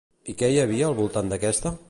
I què hi havia al voltant d'aquesta?